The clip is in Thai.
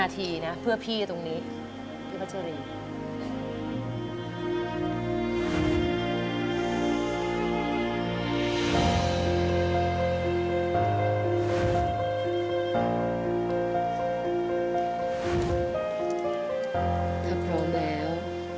ถ้าพร้อมแล้ว